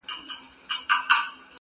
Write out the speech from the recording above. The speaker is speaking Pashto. زه شاعر سړی یم بې الفاظو نور څه نه لرم.